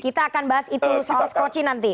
kita akan bahas itu soal skoci nanti